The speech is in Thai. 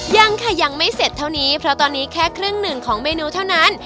ยังค่ะยังไม่เสร็จเท่านี้เพราะตอนนี้แค่ครึ่งหนึ่งของเมนูเท่านั้น